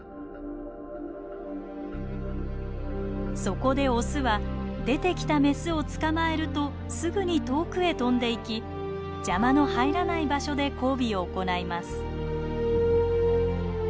そこでオスは出てきたメスを捕まえるとすぐに遠くへ飛んでいき邪魔の入らない場所で交尾を行います。